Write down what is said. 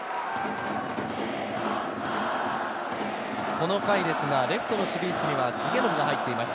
この回ですが、レフトの守備位置には重信が入っています。